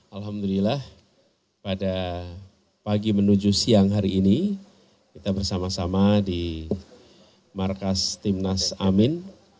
alhamdulillah pada pagi menuju siang hari ini kita bersama sama di markas timnas amin